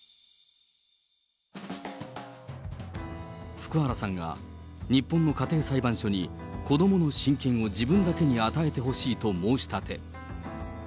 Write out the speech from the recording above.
福原さんが日本の家庭裁判所に、子どもの親権を自分だけに与えてほしいと申し立て。